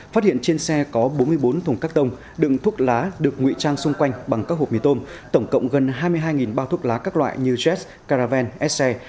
phát hiện trên xe có bốn mươi bốn thùng các tông đựng thuốc lá được ngụy trang xung quanh bằng các hộp mì tôm tổng cộng gần hai mươi hai bao thuốc lá các loại như jet caravan s xe